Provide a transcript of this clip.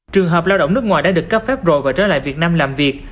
trường hợp lao động nước ngoài đã được cấp phép rồi và trở lại việt nam làm việc